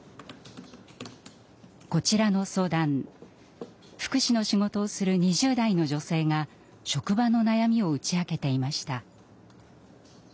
こちらの相談福祉の仕事をする２０代の女性が職場の悩みを打ち明けていました。